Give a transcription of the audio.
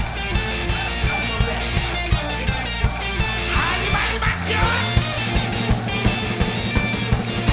始まりますよ！